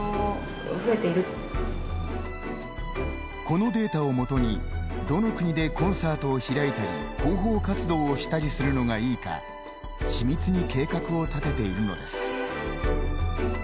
このデータを基にどの国でコンサートを開いたり広報活動をしたりするのがいいか緻密に計画を立てているのです。